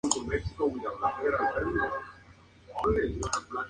Verdaderamente, día a día descubrimos todo lo que debemos a Ernest Thompson Seton.